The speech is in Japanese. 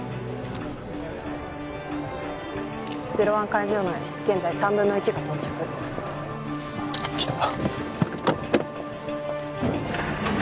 会場内現在３分の１が到着。来た！